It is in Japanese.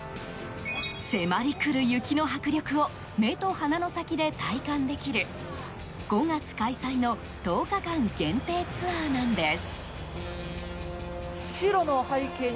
迫り来る雪の迫力を目と鼻の先で体感できる５月開催の１０日間限定ツアーなんです。